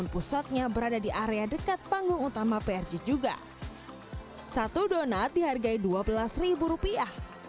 toppingnya juga memang sama seperti donat zaman dulu ya